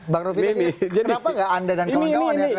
bang rufilis kenapa nggak anda dan kawan kawan yang